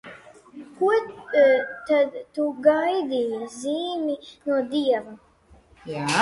Ko tad tu gaidīji, zīmi no Dieva?